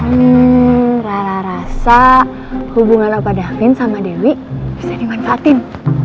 hmm rasa hubungan lapa davin sama dewi bisa dimanfaatin